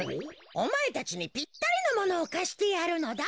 おまえたちにぴったりのものをかしてやるのだ。